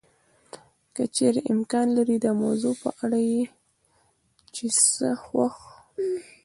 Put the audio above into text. که چېرې امکان لري د موضوع په اړه یې چې څه خوښ